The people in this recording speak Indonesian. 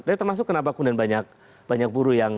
tapi termasuk kenapa kemudian banyak buruh yang